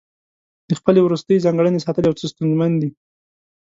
د خپلې وروستۍ ځانګړنې ساتل یو څه ستونزمن دي.